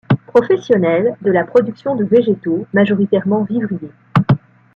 Professionnel de la production de végétaux majoritairement vivriers.